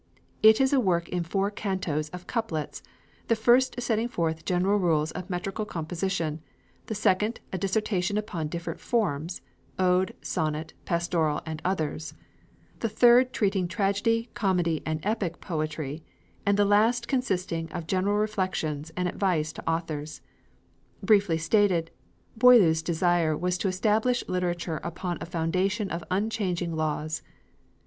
It is a work in four cantos of couplets: the first setting forth general rules of metrical composition; the second a dissertation upon different forms ode, sonnet, pastoral, and others; the third treating tragedy, comedy, and epic poetry; and the last consisting of general reflections and advice to authors. Briefly stated, Boileau's desire was to establish literature upon a foundation of unchanging laws.